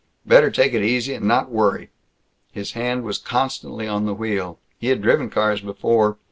Better take it easy and not worry." His hand was constantly on the wheel. He had driven cars before.